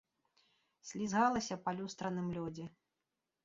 Слізгалася па люстраным лёдзе.